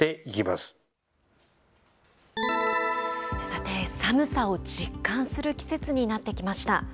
さて、寒さを実感する季節になってきました。